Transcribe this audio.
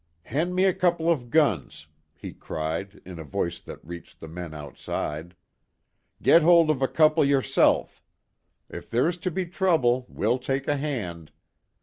"Hand me a couple of guns!" he cried, in a voice that reached the men outside. "Get hold of a couple yourself! If there's to be trouble we'll take a hand!"